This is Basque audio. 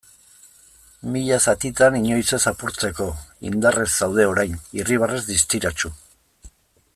Mila zatitan inoiz ez apurtzeko, indarrez zaude orain, irribarrez distiratsu.